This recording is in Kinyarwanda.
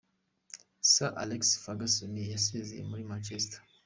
Sir Alex Ferguson yasezeye muri Manchester.